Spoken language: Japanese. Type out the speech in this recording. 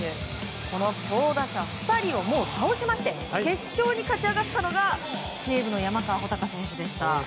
この強打者２人をもう倒しまして決勝に勝ち上がったのが西武の山川穂高選手でした。